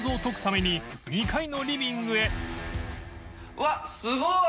うわっすごい！